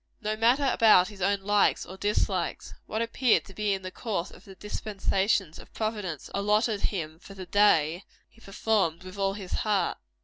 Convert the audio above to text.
No matter about his own likes or dislikes what appeared to be in the course of the dispensations of Providence allotted him for the day, he performed with all his heart.